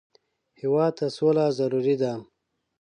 هېواد ته سوله ضروري ده